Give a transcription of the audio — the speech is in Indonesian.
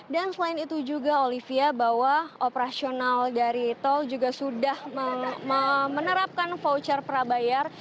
dan selain itu juga olivia bahwa operasional dari tol juga sudah menerapkan voucher prabayar